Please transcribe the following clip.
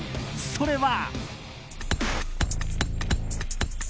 それは。